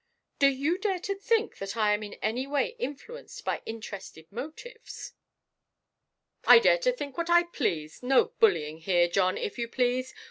"Do you dare to think that I am in any way influenced by interested motives?" "I dare to think what I please. No bullying here, John, if you please.